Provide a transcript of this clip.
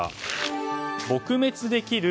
撲滅できる？